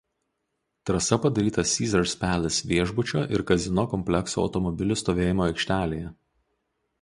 Trasa padaryta Caesars Palace viešbučio ir kazino komplekso automobilių stovėjimo aikštelėje.